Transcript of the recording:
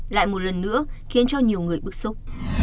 lại một lần nữa khiến cho nhiều người bức xúc